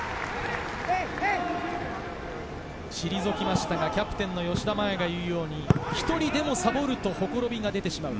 退きましたが、キャプテンの吉田麻也が言うように１人でもサボるとほころびが出てしまう。